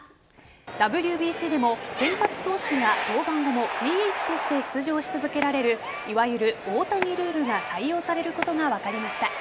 ＷＢＣでも先発投手が登板後もＤＨとして出場し続けられるいわゆる大谷ルールが採用されることが分かりました。